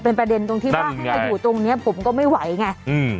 เป็นประเด็นตรงที่ว่าให้มาอยู่ตรงเนี้ยผมก็ไม่ไหวไงอืม